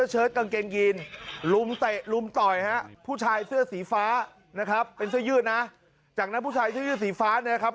จากนั้นผู้ชายเสื้อสีฟ้าเนี่ยครับ